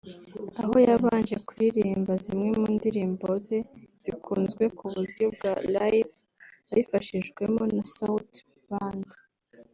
aho yabanje kuririmba zimwe mu ndirimbo ze zikunzwe mu buryo bwa live abifashijwemo na Sauti band